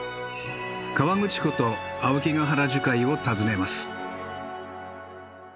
河口湖と青木ヶ原樹海を訪ねます。